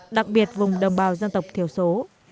đặc biệt vùng đồng bào dân tộc thiểu số